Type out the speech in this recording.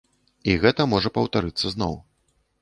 І гэта можа паўтарыцца зноў.